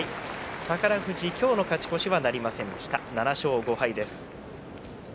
宝富士、今日の勝ち越しはありませんでした、７勝５敗です。